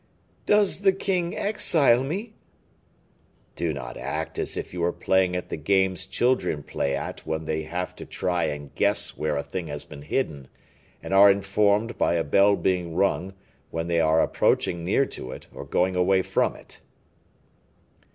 "Does the king exile me?" "Do not act as if you were playing at the game children play at when they have to try and guess where a thing has been hidden, and are informed, by a bell being rung, when they are approaching near to it, or going away from it."